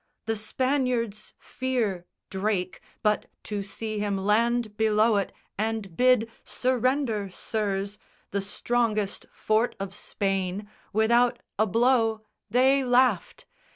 The Spaniards fear Drake; but to see him land below it and bid Surrender, sirs, the strongest fort of Spain Without a blow, they laughed!